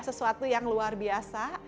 sesuatu yang luar biasa